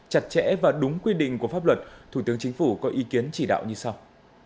chặt chẽ và đúng quy định của pháp luật thủ tướng chính phủ có ý kiến chỉ đạo như sau